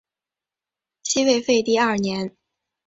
西魏废帝二年。